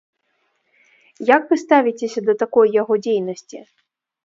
Як вы ставіцеся да такой яго дзейнасці?